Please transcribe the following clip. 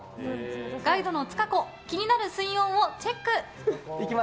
ガイドのつか子気になる水温をチェック。